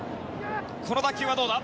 この打球はどうだ？